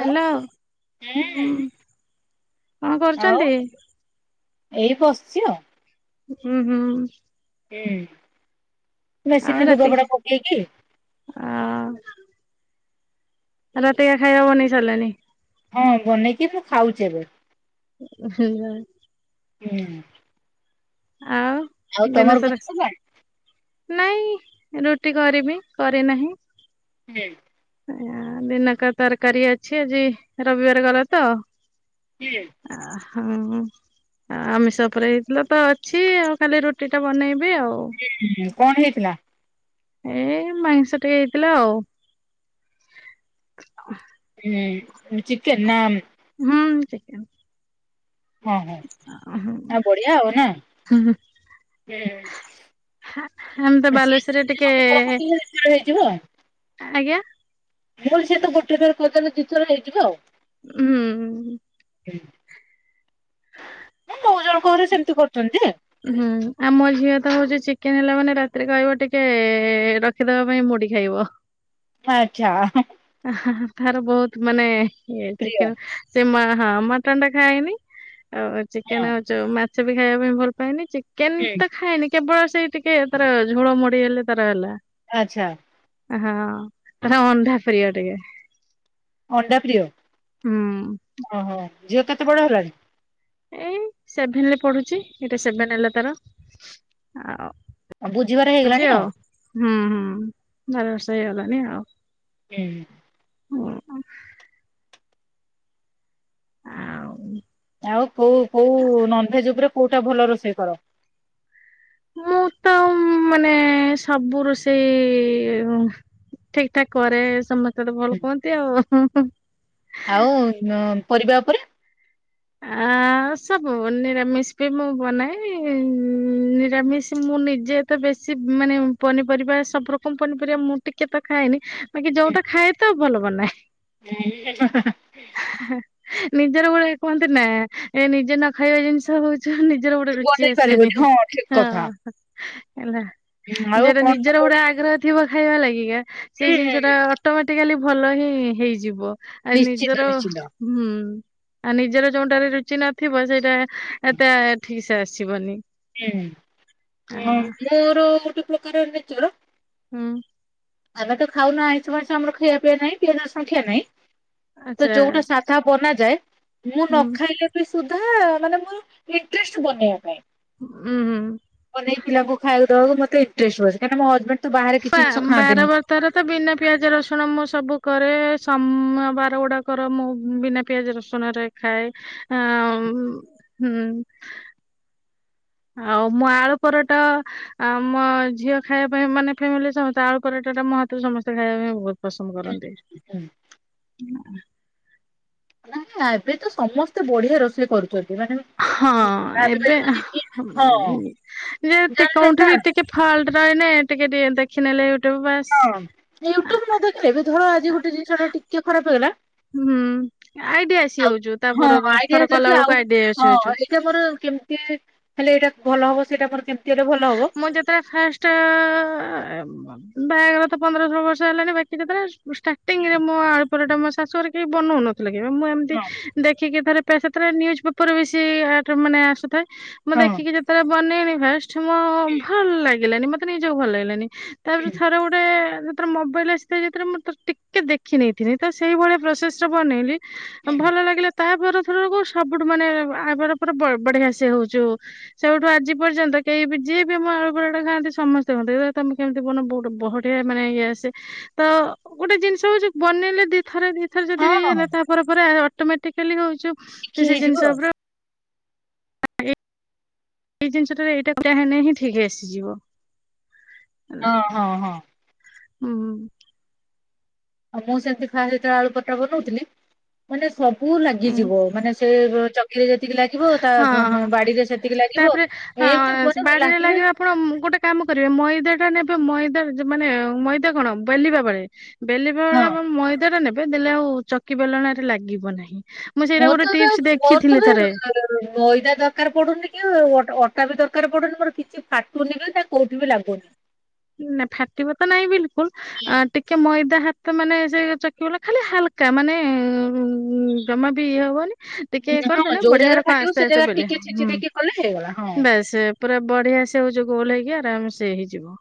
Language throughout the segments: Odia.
ହ୍ୟାଲୋ ହଁ କଣ ଆଉ କରୁଛନ୍ତି? ଏଇ ବସଛି ଆଉ ହୁଁ ହୁଁ। ହୁଁ ଆଉ ମେସିନରେ ରାତି ଲୁଗାପଟା ପକେଇକି ଆ ରାତିକା ଖାଇବା ବନେଇ ସାରିଲାଣି? ହଁ ବନେଇକି ମୁଁ ଖାଉଛି ଏବେ। [inaudible] ହୁଁ ନା। ଆଉ ଦିନ ତମର ସାରା ବନେଇ ସରିଲାଣି ନାଇଁ ରୁଟି କରିବି କରି ନାହିଁ? କି। ଆ ଦିନକ ତରକାରୀ ଅଛି ଆଜି ରବିବାର ଗଲା ତ ହୁଁ। ଆ ହୁଁ। ଆ ଆମିଷଉପରେ ହେଇଥିଲା ତ ଅଛି ଆଉ ଖାଲି ରୁଟି ଟା ବନେଇବି ଆଉ? କଣ ହେଇଥିଲା? ଏ ମାଂସ ଟିକେ ହେଇଥିଲା ଆଉ ହଁ। ହୁଁ ଚିକେନ୍ ନା ହୁଁ ଚିକେନ୍। ହଁ ହଁ ଅ ହ ଆଉ ବଢିଆ ଆଉ ନା। ହ। ଆମେ ତ ସିଏ ବାଲେଶ୍ଵରରେ ଟିକେ ଗୋଟେ ଥର ପକେଇଲେ ଦିଥର ହେଇଯିବ ଆଉ। ଆଜ୍ଞା। ମୁଁ କଇଲି ସେ ତ ଗୋଟେ ଥର ପିଉଛନ୍ତି ଦି ଥର ହେଇଯିବ ଆଉ। ହୁଁ। ମୁଁ ଜଣଙ୍କ ଘରେ ସେମିତି କରୁଥିଲି ଯେ ହୁଁ ଆମ ଝିଅ ତ ହଉଛି ଚିକେନ ହେଲା ମାନେ ରାତିରେ କହିବ ଟିକେ ରଖିଦବା ପାଇଁ ମୁଡି଼ ଖାଇବ? ଆଚ୍ଛା। ତାର ବହୁତ ମାନେ ଇଏ ପ୍ରିୟ ଚିକେନ୍। ସେ ହଁ ମଟନ୍ ଟା ଖାଏନି ଆଉ ହଁ। ଚିକେନ ଆ ଚଉ ମାଛ ବି ଖାଇବା ପାଇଁ ଭଲ ପାଏନି। ଚିକେନ ତ୍ ଖାଏନି କେବଳ ସେଇ ଟିକେ ତାର ଝୋଳ ମଡି଼ ହେଲେ ତାର ହେଲା। ଆଚ୍ଛା। ହଁ ତାର ଅଣ୍ଢା ପ୍ରିୟ ଟିକେ। ଅଣ୍ଡା ପ୍ରିୟ ହୁଁ। ଓହୋ ଝିଅ କେତେ ବଡ଼ ହେଲାଣି। ଏଇ ସେଭେନ ରେ ପଢ଼ୁଛି ଏଟା ସେଭେନ ହେଲା ତାର ଆଉ। ଆଉ ବୁଝିବାର ହେଇଗଲାଣି ଆଉ। ହୁଁ ହୁଁ ବାର ବର୍ଷ ହେଇଗଲାଣିି ଆଉ। ହୁଁ। ହୁଁ। ଆଁଉ। ଆଉ କୋଉ କୋଉ ନନଭେଜ୍ ଉପରେ କୋଉଟା ଭଲ ରୋଷେଇ କର? ମୁଁ ତ ମୋ ମାନେ ସବୁ ରୋଷେଇ ଠିକ୍ ଠାକ୍ କରେ ସମସ୍ତେ ତତେ ଭଲ୍ କୁହନ୍ତି ଆଉ ଉ ହୁଁ ହୁଁ। ଆଉ ନ ପରିବା ଉପରେ? ଆ। ଆଉ ସବୁ ବେଳେ ମିସଭେଜ୍ ମୁଁ ବନାଏନି ନିରାମିଷ ମୁଁ ନିଜେ ତ ବେଶୀ ମାନେ ପନିପରିବା ସବୁ ରକମ ପନିପରିବା ମୁଁ ଟିକେ ତ ଖାଏନି ବାକି ଯୋଉଟା ଖାଏ ତ ଭଲ ବନାଏ। ହୁଁ ହେ ହେ। ହାଁ ନିଜର ଗୋଲି କୁହନ୍ତି ନା ଏ ନିଜେ ନ ଖାଇବା ଜିନିଷ ହଉଛ ନି ନିଜର ଗୋଟେ ରୁଚି ବନେଇ ଆସେନି ପାରିବନି ହଁ ଠିକ କଥା। ହେଲା ଆଉ ଯାହାର କଣ ନିଜର ହୁଁ ଗୋଟେ ଆଗ୍ରହ ଥିବ ଖାଇବା ଲାଗିକା ସେଇ ହୁଁ ଜିନିଷ ଟା ଅଟୋମେଟିକାଲି ଭଲ ହିଁ ହେଇଯିବ। ଆ ନିଶ୍ଚିନ୍ତ ନିଜର ନିଶ୍ଚିନ୍ତ। ହୁଁ ଆମେ ନିଜର ଯୋଉଟାରେ ରୁଚି ନଥିବ ସେଇଟା ଏତେ ଠିସ୍। ସିଏ ଆସିବନି। ଆ ହୁଁ ମୋର ଗୋଟେ ପ୍ରକାର ନେଚର ହୁଁ। ଆମେ ତ ଖାଉନା ଆଇଁଷ ଫାଇଁଷ ଆମର ଖାଇବା ପିଇବା ନାହିଁ ପିଆଜ ରଶୁନ ସଂଖ୍ୟା ନାହିଁ ଆଚ୍ଛା ତ ଯୋଉଟା ସା ତାହା ବନାଯାଏ ମୁଁ ନ ହୁଁ ଖାଇଲେ ବି ସୁଧା ମାନେ ମୋର ଇଣ୍ଟରେଷ୍ଟ୍ ବନେଇବା ପାଇଁ। ଉୁଁ ହୁଁ। ବନେଇ ପିଲାକୁ ଖାଇଵାଦେବାକୁ ମତେ ଇନ୍ଟେଷ୍ଟ୍ ରହେ କାହିଁକି ନା ମୋ ହଜବେଣ୍ଟ୍ ପା ବାରବ ତାର ତ ବିନା ପିଆଜ ରସୁଣ ମୁଁ ସବୁ କରେ ସମବାର ଗୁଡାକର ମୁଁ ବିନା ବିନା ପିଆଜ ରସୁଣ ରେ ଖାଏ ଆ ହୁଁ। ଆଉ ମୁଁ ଆଳୁ ପରଟା ଆମ ଝିଅ ଖାଇବା ପାଇଁ ମାନେ ଫ୍ୟାମିଲି ରେ ସମସ୍ତେ ଆଳୁ ପରଟା ଟା ମୋ ହାତରୁ ସମସ୍ତେ ଖାଇବା ପାଇଁ ବହୁତ ପସନ୍ଦ କରନ୍ତି। ନାହିଁ ଏବେ ତ ସମସ୍ତେ ବଢିଆ ରୋଷେଇ କରୁଛନ୍ତି ମାନେ ହଁ ଏବେ ଭାବିପାରିବନି କି ହଁ ଯେ ଜାଣିଲେ ନା କେଉଁଠି ବି ଟିକେ ଟିକେ ଫଲ୍ଟ ରହିଲେ ଟିକେ ଟିକେ ଦେଖିନେଲେ ୟୁଟ୍ୟୁବ୍ ବାସ୍। ହଁ ୟୁଟୁବ୍ ନ ଦେଖିଲେ ଏବେ ଧର ଆଜି ଗୋଟେ ଜିନିଷ ଟା ଟିକେ ଖରାପ ହେଇଗଲା ହୁଁ ଆଇଡିଆ ଆସି ଆଉ ଯାଉଛୁ ହଁ ତାପର ଆଇଡିଆ ଥର କଲା ଯାଉଛି ବେଳକୁ ଆଉ ଆଇଡିଆ ଆସି ଯାଉଛୁ ହଁ ଏଇଟା ମୋର କେମିତି ହେଲେ ଏଇଟା ଭଲ ହବ ସେଇଟା ମୋର କେମିତି ହେଲେ ଭଲ ହବ ମୁଁ ଯେତେବେଳେ ଫାଷ୍ଟ୍ ଷ୍ଟେ ବହାଘର ତ ପନ୍ଦର ଷୋଳ ବର୍ଷ ହେଲାଣି ବାକି ଯେତେ ବେଳେ ପୁଷ୍ଠା। ଟୀଙ୍ଗୀରେ ମୋ ଆଳୁପରଟା ମୋ ଶାଶୁଘରେ କେହି ବନାଉନଥିଲେ କି ମୁଁ ଏମିତି ହଁ ଦେଖିକି ଥରେ ତ ଏକାଥରେ ନ୍ୟୁଜପେପର୍ ବି ମାନେ ଆସୁଥାଏ ମୁଁ ହଁ ଦେଖିକି ଯେତେବେଳେ ବନେଇ ଫାଷ୍ଟ୍ ମୋ ଭଲ୍ ଲାଗିଲାନି ମତେ ନିଜକୁ ଭଲ ଲାଗିଲାନି ତାପରେ ଥରେ ଗୋଟେ ତାର ମୋବାଇଲ୍ ସେହି ଭିତରେ ମୁଁ ତ ଟିକେ ଦେଖି ନେଇଥଥିଲି ତ ସେଇଭଳିଆ ପ୍ରୋସେସ୍ ର ବନେଇଲି ହଁ ଭଲ ଲାଗିଲା ତାପ ଥରକୁ ସବୁଠୁ ମାନେ ଆ ପରେ ପରେ ବଢିଆ ସେଏ ହଉଛି। ସେବେଠୁ ଆଜି ପର୍ଯ୍ୟନ୍ତ କେହିବି ଯିଏ ବି ଆମ ଆଳୁ ପରଟା ଖାଆନ୍ତି ସମସ୍ତେ ମୋତେ କହିବେ ତମେ କେମିତି ବନଅ ବହୁତ୍ ବଢିଆ ମାନେ ଇଏ ଆସେ। ତ ଗୋଟେ ଜିନିଷ ହଉଛି ବନେଇଲେ ଦି ଥରେ ଦିଥର ହଁ ଯଦି ବି ହେଲେ ତାପ ପରେ ପରେ ଅଟୋମେଟିକାଲି ହଉଚୁ ଶିଖି ସେ ହେଇଯିବ ଜିନିଷ ପୁରା [unintelligible] ଏଇ ଜିନିଷଟା ଏଇଟା ପୁରା ହେଲେ ହିଁ ଠିକ୍ ଆସିଯିବ। ହେଲା। ଆଉ ହଁ ହଁ। ହୁଁ ହୁଁ। ଆଉ ମୁଁ ସେମିତି ଫାଷ୍ଟ ଯେତେବେଳେ ଆଳୁ ପରଟା ବନଉଥିଲି ମାନେ ବୁ ହୁଁ ଲାଗିଯିବ ମାନେ ସେ ଚକି ଯେତିକି ଲାଗିବ ତା ହଁ ହଁ। ବାଡିରେ ସେତିକି ଲାଗିବ ତାପରେ ହଁ ଏମିତି ସେ କୁହନି ବାଡିରେ ରାତିରେ ଲାଗିବ ଆପଣ ଗୋଟେ କାମ କରିବେ ମଇଦା ଟା ନେବେ ମଇଦା ମାନେ ମଇଦା କଣ ବେଲିବା ବେଳେ ବେଲିବା ବେଳେ ହଁ ଆପଣ ମଇଦା ଟା ନେବେ ଦେଲେ ଆଉ ଚକି ବେଲଣା ରେ ଆଉ ଲାଗିବ ନାହିଁ। ମୁଁ ସେଇଟା ମୋର ତ ଗୋଟେ ଏବେ ଟିପସ ମୋର ତ ଦେଖିଥିଲି ଥରେ ଏବେ ମଇଦା ଦରକାର ପଡୁନି କି ଅଟା ବି ଦରକାର ପଡୁନି ମୋର କିଛି ଫାଟୁନି କି ତା କୋଉଠି ବି ଲାଗୁନି। ନା ଫାଟିବା ତ ନାଇଁ ବିଲକୁଲ ହୁଁ। ଟିକେ ମଇଦା ହାତ ମାନେ ସେ ଚକିବଲା ଖାଲି ହାଲକା ମାନେ ଉ ଜମା ବି ଇଏ ହବନି ଟିକେ ହଁ କରିଦେଲେ ଯୋଉ ବଢିଆ ଜାଗାରେ ର କମ ଫାଟିବ ସେ ଆସ୍ତେ ଆସ୍ତେ ଜାଗାରେ କଲେ ଟିକେ ଛେଚି ହୁଁ ଦେଇକି କଲେ ହେଇଗଲା ହଁ। ବାସେ ପୁରା ବଢିଆ ସେ ହଉଛି ଗୋଲ ହେଇକି ଆରାମ ସେ ହେଇଯିବ।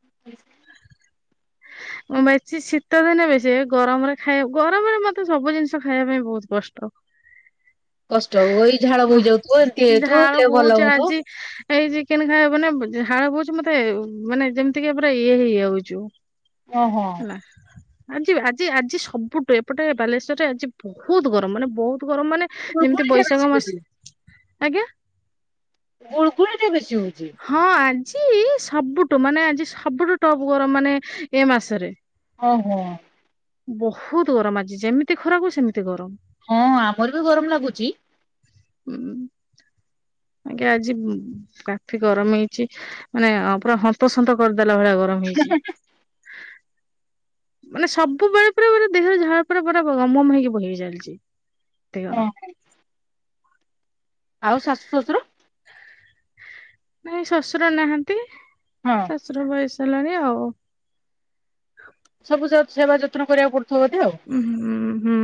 [inaudible] ବେଶୀ ଶୀତ ଦିନେ ବେଶୀ ଗରମରେ ଖାଇବାକୁ ଗରମରେ ମତେ ସବୁ ଜିନିଷ ଖାଇବା ପାଇଁ ବହୁତ କଷ୍ଟ। କଷ୍ଟ ଏଇ ଝାଳ ଓ ବୋହି ଯାଉଥିବ ଏମିତି ହେଇଥିବ ଝାଳ ଦେହ ଭଲ ବହୁଛି ହଉନଥିବ ଆଜି ଏଇ ଚିକେନ ଖାଇବା ମାନେ ଝାଳ ବଉଛି ମାନେ ଯେମିତି କିି ପୁରା ଇଏ ହେଇଯାଉଛୁ। ଓହୋ। ହ [inaudible] ଆଜି ଆଜି ଆଜି ସବୁଠୁ ଏପଟେ ବାଲେଶ୍ଵରରେ ଆଜି ବହୁତ ଗରମ ମାନେ ବହୁତ ଗରମ ମାନେ ଯେମିତି ଗୁଳଗୁଳି ଟା ବେଶୀ ବୈଶାଖ ହଉଛି ମାସ ଆଜ୍ଞା। ଗୁଡ଼ଗୁଳି ଟା ବେଶୀ ହଉଛି। ହଁ ଆଜି ସବୁଠୁ ମାନେ ଆଜି ସବୁଠୁ ଟପ୍ ଗରମ ମାନେ ଏ ମାସରେ। ଓହୋ। ବହୁତ ଗରମ ଆଜି ଯେମିତି ଖରାକୁ ସେମିତି ଗରମ। ହଁ ଆମର ବି ଗରମ ଲାଗୁଛି। ହୁଁ ଆଞା ଆଜି ଏଠି ଗରମ ହେଇଛି ମାନେ ପୁରା ହନ୍ତସନ୍ତ କରିଦେଲା ଭଳିଆ ଗରମ ହେଇଛି। ମାନେ ସବୁବେଳେ ପୁରା ମାନେ ଦେହର ଝାଳ ଫାଳ ପୁରା ଗମଗମ ହେଇକି ବହି ଚାଲିଛି ଦେହ ହଁ। ଆଉ ଶାଶୁ ଶଶୁର ନାଇଁ ଶଶୁର ନାହାନ୍ତି। ହଁ। ଶାଶୁର ବୟସ ହେଲାଣି ଆଉ। ସବୁ ଯାକ ସେବା ଯତ୍ନ କରିବାକୁ ପଡୁଥିବ ବୋଧେ ଆଉ ଉୁ ହୁଁ ହୁଁ।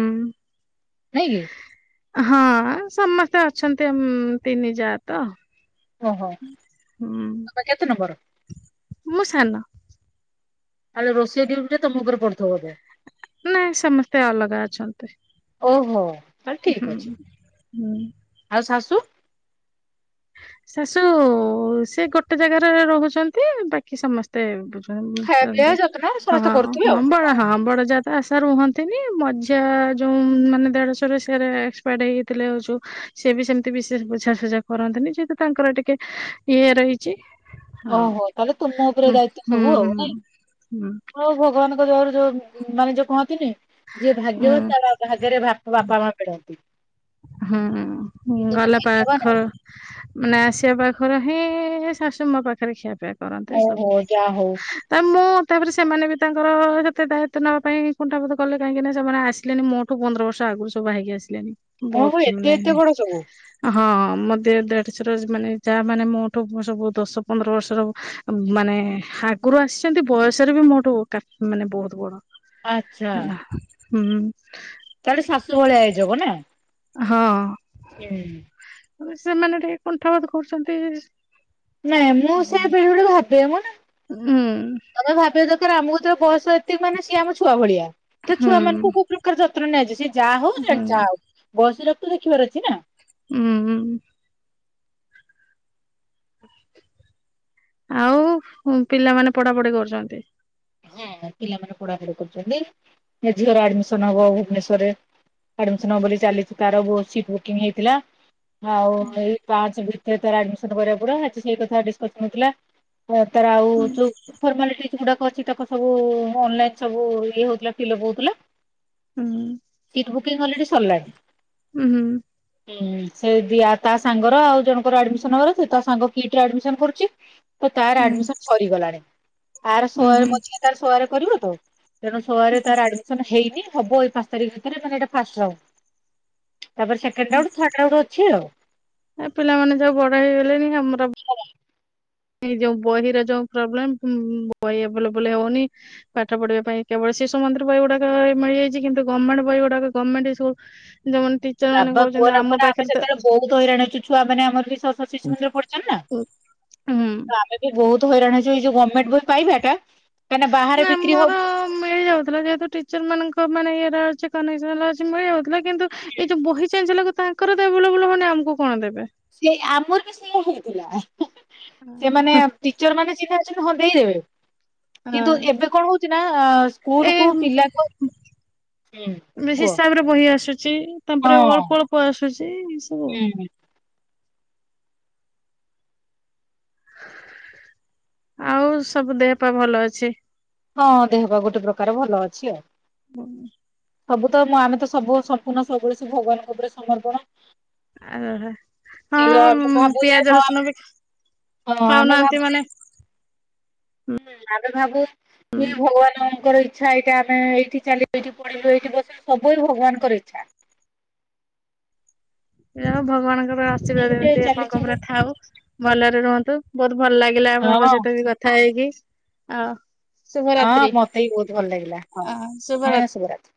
ନାଇଁ କି? ହଁ ସମସ୍ତେ ଅଛନ୍ତି। ଆମ୍ ତିନି ଜା ତ। ଓହୋ ହୁଁ ତମେ କେତେ ନମ୍ବର? ମୁଁ ସାନ। ତାହେଲେ ରୋଷେଇ ଡିଉଟି ଟା ତମ ଉପରେ ପଡୁଥୁବ ବୋଧେ? ନାଇଁ ସମସ୍ତେ ଅଲଗା ଅଛନ୍ତି ଓହୋ ତାହେଲେ ହୁଁ ଠିକ ଅଛି ହୁଁ। ଆଉ ଶାଶୁ? ଶାଶୁ ସେ ଗୋଟେ ଜାଗାରେ ରହୁଚନ୍ତି ବାକି ସମ ସ୍ତ ଖାଇବା ପିଇବା ବୁଝୁଚନ୍ତି ଯତ୍ନ ହଁ ସମସ୍ତେ ହଁ କରୁଥିବେ ହଁ ଆଉ ବଡ ହଁ ବଡ ଜା ସେ ଆଶା ରୁହନ୍ତିନି ମଝିଆ ଯୋଉ ମାନେ ଦେଢୁଶୂର ସିଆରେ ଏକ୍ସପାଡ୍ ହେଇଯାଇଥିଲେ ଯୋଉ ସିଏ ବି ସେମିତି ବିଶେଷ ବୁଝାସୁଝା କରନ୍ତିନି ଯେହେତୁ ତାଙ୍କର ଟିକେ ଇଏ ରହିଚି ହଁ ଓହୋ ତାହେଲେ ତୁମ ଉପରେ ହୁଁ ହୁଁ ହୁଁ ହୁଁ। ହୋଉ ଭଗବାନଙ୍କ ଦୟାରୁ ଯୋଉ ମାନେ ଯୋଉ କହନ୍ତିନି ଯିଏ ଉଁ ଭାଗ୍ୟବାନ ତାର ଭାଗ୍ଯରେ ଭାପ୍ ବାପା ମା ମିଳନ୍ତି। ହୁଁ ହୁଁ କିନ୍ତୁ ତୁ ଗଲା ଭାଗ୍ୟବାନ ପାଖ ନାଁ ସିଏ ପାଖରେ ହିଁ ଏ ଶାଶୁ ମୋ ପାଖରେ ଖିଆପାଆ ଓହୋ ଯାହା ହୋଉ। ତା ମୁଁ ତାପରେ ସେମାନେ ବି ତାଙ୍କର ସେତେ ଦାୟିତ୍ୱ ନବା ପାଇଁ କୁଣ୍ଠାବୋଧ କଲେ କାହିଁକି ନା ସେମାନେ ଆସିଲେନି। ମୋ ଠୁ ପନ୍ଦର ବର୍ଷ ଆଗରୁ ସବୁ ବାହା ହେଇକି ଆସିଲେଣି ବୋହୁତ ଓହୋ ଏତେ ସେମାନେ ଏତେ ବଡ ସବୁ ହଁ ମୋ ଦେ ଦେଢୁଶୂର ଯୋଉ ମାନେ ଜା ମାନେ ମୋଠୁ ସବୁ ଦଶ ପନ୍ଦର ବର୍ଷ ସବୁ ମାନେ ଆଗରୁ ଆସିଚନ୍ତି। ବୟସରେ ବି ମୋଠୁ କା ମାନେ ବୋହୁତ ବଡ ଆଚ୍ଛା ହେଲା ହୁଁ। ତାହେଲେ ଶାଶୁ ଭଳିଆ ହେଇଯିବ ନା। ହଁ। ହୁଁ। ସେମାନେ ଟିକେ କୁଣ୍ଠାବୋଧ କରୁଚନ୍ତି। ନାଇଁ ମୁଁ ସେଇଆ ବେଳେ ବେଳେ ଭାବେ ମୁଁ ନା। ତମେ ଭା [unintelligible] ଦରକାର ଆମକୁ ତ ବୟସ ଏତିକ ମାନେ ସିଏ ଆମ ଛୁଆ ଭଳିଆ। ସେ ହୁଁ ଛୁଆ ମାନଙ୍କୁ କୋଉ ପ୍ରକାର ଯତ୍ନ ନିଆଯାଏ? ସିଏ ଜା ହୋଉ ହୁଁ ସେ ଜା ହୋଉ ବୟସ ଉରା ତ ଦେଖିବାର ଅଛି ନା? ଉଁ ହୁଁ। ଆଉ ଉଁ ପିଲାମାନେ ପଢାପଢି କରୁଚନ୍ତି? ହଁ ପିଲାମାନେ ପଢାପଢି କରୁଚନ୍ତି। ମୋ ଝିଅର ଆଡମିଶନ ହବ ଭୁବନେଶ୍ଵରରେ। ଆଡମିଶନ ହବ ବୋଲି ଚାଲିଚି ତାର [unintelligible] ସିଟ୍ ବୁକିଂ ହେଇଥିଲା। ଆଉ ଏଇ ପାଞ୍ଚ ଭିତରେ ତାର ଆଡମିଶନ କରିବାକୁ ପଡିବ। ଆଜି ସେହି କଥା ଡିସକସନ୍ ହୋଉଥିଲା। ତ ତାର ଆଉ ହୁଁ ଯୋଉ ଫର୍ମାଲିଟିଜ୍ ଗୁଡା ଅଛି ତାକୁ ସବୁ ଅନଲାଇନ୍ ସବୁ ଇଏ ହୋଉଥିଲା। ଫିଲ୍ ଅପ୍ ହୋଉଥିଲା। ହୁଁ। ସିଟ୍ ବୁକିଂ ଅଲରେଡି ସରିଲାଣି। ଉଁ ହୁଁ। ଉଁ‌ ସେ ଦିଆ ତା ସାଙ୍ଗର ଆଉ ଜଣଙ୍କର ଆଡମିଶନ କରୁଚି। ସିଏ ତା ସାଙ୍ଗ କିଟ୍ରେ ଆଡମିଶନ କରୁଚି। ତ ତାର ଆଡମିସନ ସରିଗଲାଣି। ଆର ହୁଁ ହୁଁ ସୋଅରେ ହୁଁ ମୋ ଝିଅ ତାର ସୋଅରେ କରିବ ତ। ତେଣୁ ସୋ ରେ ତାର ଆଡ ମିଶନ ହେଇନି ହବ ଏଇ ପାଞ୍ଚ ତାରିଖ ଭିତରେ ମାନେ ଏଇଟା ଫାଷ୍ଟ ରାଉଣ୍ଡ ତାପରେ ସେକେଣ୍ଡ ରାଉଣ୍ଡ ଥାର୍ଡ ରାଉଣ୍ଡ ଅଛି ଆଉ। ଏ ପିଲମାନେ ସବୁ ବଡ ହେଇଗଲେଣି। ଆମର [unintelligible] ଏ ଯୋଉ ବହିର ଯୋଉ ପ୍ରୋବ୍ଲେମ୍ ପୁ ବହି ଅଭେଲେବୁଲ୍ ହେଉନି। ପାଠ ପଢ଼ିବା ପାଇଁ କେବଳ ଶିଶୁ ମନ୍ଦିର ବହି ଗୁଡ଼ାକ ମିଳି ଯାଇଛି, କିନ୍ତୁ ଗମେଣ୍ଟ ବହି ଗୁଡ଼ାକ ଗମେଣ୍ଟ ଏ ସବୁ ଦୋଅନ୍ତି,। ବାବା କୁହନା କୁହନା ଆମର ସେତେବେଳେ ବହୁତ ହଇରାଣ ହେଇଛୁ, ଛୁଆ ମାନେ ଆମର ସ ସ ଶିଶୁ ମନ୍ଦିର ପଢୁଛନ୍ତି ନା। ଉଁ। ଆମେ ବି ବହୁତ ହଇରାଣ ହେଇଛୁ, ଏଇ ଯୋଉ ଗମେଣ୍ଟ ବସ୍ ପାଇବା ଟା ନା ଆମର ମିଳିଯାଉଥିଲା, ଯେହେତୁ ଟିଚର୍ ମାନଙ୍କ ମାନେ ଇଏର [unintelligible] ମିଳି ଯାଉଥିଲା କିନ୍ତୁ ଏଇ ଯୋଉ ବହି ଚେଞ୍ଜ ହେଲାକୁ ତାଙ୍କର ତ ଏଭେଲେବୁଲ୍ ହଉନି, ଆମକୁ କଣ ଦେବେ? ସିଏ ଆମର ବି ସେଇୟା ହେଇଥିଲା, ସେ ମାନେ ଟିର୍ଚର ମାନେ ଚିହ୍ନା ହଁ, ଦେଇଦେବେ। କିନ୍ତୁ, ହଁ ଏବେ କଣ ହଉଚି ନା, ଏଇ ସ୍କୁଲକୁ ପିଲାକୁ ବେଶୀ କୁହ ହିସାବରେ ବହି ଆସୁଛି, ହଁ ତାପରେ ଅଳ୍ପ ଅଳ୍ପ ଆସୁଛି, ଏ ସବୁ ଆଉ। ହୁଁ। ଆଉ ସବୁ ଦେହ ପା ଭଲ ଅଛି? ହଁ, ଦେହ ପା ଗୋଟେ ପ୍ରକାର ଭଲ ଅଛି ଆଉ। [unintelligible] ସବୁ ତ ଆମେ ତ ସବୁ ସମ୍ପୂର୍ଣ୍ଣ ସବୁବେଳେ ସେ ଭଗବାନଙ୍କ ଉପରେ ସମର୍ପଣ। ଆଉ ଓହୋ ସେଇ ହଁ, ଆମେ ଭାବୁ ଯେ ପିଆଜ ହଁ ଆମେ ରସୁଣ ବି ହଁ, ଆମେ ଖାଉନାହାନ୍ତି ଭାବୁଛେ ମାନେ ହୁଁ, ଆମେ ଭାବୁ କି ଭଗବାନ ମାନଙ୍କର ଇଛା ଏଇଟା ଆମେ ଏଇଠି ଚାଲି, ଏଇଠି ପଡିଲୁ, ଏଇଠି ବସିଲୁ, ସବୁ ଏ ଭଗବାନଙ୍କର ଇଚ୍ଛା। ଏୟା ଆଉ ଭଗବାନଙ୍କର ଏଇ ଆଶିର୍ବାଦ ଅସୁବିଧା ଗୋଟେ ଯେମିତି ଚାଲିଛି ଆପଣଙ୍କ ଉପରେ ଥାଉ। ଭଲରେ ରୁହନ୍ତୁ, ବହୁତ ଭଲ ଲାଗିଲା ଆପଣଙ୍କ ହଁ। ସହିତ ବି କଥା ହେଇକି ଆଉ ହଁ ମତେ ବି ବହୁତ ଭଲ ଲାଗିଲା ହଁ ଆ ଶୁଭରାତ୍ରି। ହଁ, [unintelligible]